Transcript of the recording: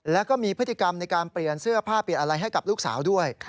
แล้วก็มีพฤติกรรมในการเปลี่ยนเสื้อผ้าเปลี่ยนอะไรให้กับลูกสาวด้วย